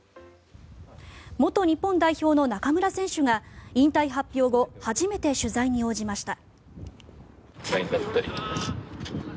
元日本代表の中村選手が引退発表後初めて取材に応じました。